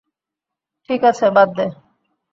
ঠিক আছে, বাদ দে।